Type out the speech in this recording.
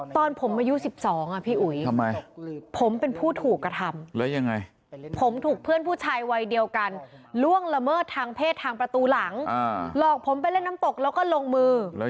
ตอนผมอายุ๑๒อ่ะพี่อุ๋ยทำไมผมเป็นผู้ถูกกระทำแล้วยังไงผมถูกเพื่อนผู้ชายวัยเดียวกันล่วงละเมิดทางเพศทางประตูหลังหลอกผมไปเล่นน้ำตกแล้วก็ลงมือ